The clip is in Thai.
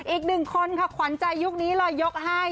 อีกหนึ่งคนค่ะขวัญใจยุคนี้เลยยกให้